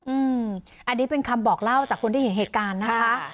อืมอันนี้เป็นคำบอกเล่าจากคนที่เห็นเหตุการณ์นะคะ